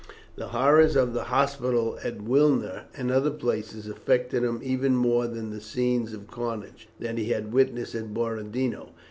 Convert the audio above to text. The horrors of the hospitals at Wilna and other places affected him even more than the scenes of carnage that he had witnessed at Borodino.